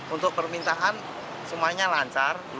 untuk permintaan semuanya lancar